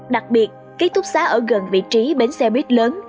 đặc biệt ký túc xá ở gần vị trí bến xe buýt lớn